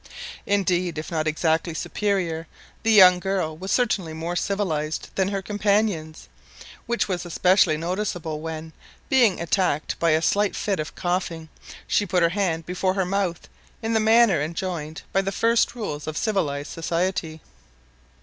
Indeed if not exactly superior, the young girl was certainly more civilised than her companions, which was especially noticeable when, being attacked by a slight fit of coughing, she put her hand before her mouth in the manner enjoined by the first rules of civilised society.